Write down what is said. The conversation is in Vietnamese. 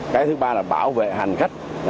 cái thứ ba là bảo vệ hành khách